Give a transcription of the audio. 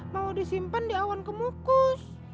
mau disimpan di awan kemukus